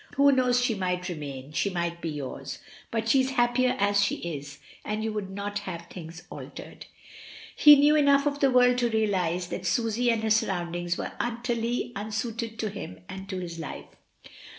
"Who knows she might remain, she might be yours; but she is happier as she is, and you would not have things altered." He knew enough of the world to realise that Susy and her surroundings were utterly unsuited to him and to his life.